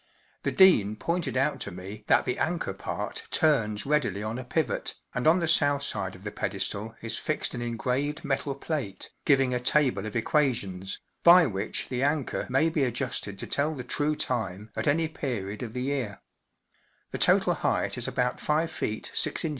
The Dean pointed out to me that the anchor part turns readily on a pivot, and on the south side of the pedestal is fixed an engraved metal plate, giving a table of equations, by which the anchor may be ad¬ justed to tell the true time at any period of the yean The total height is about 5ft 6in.